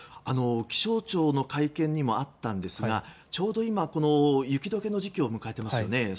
気象庁の会見にもあったんですがちょうど今、雪解けの時期を迎えていますよね。